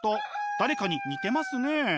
誰かに似てますね。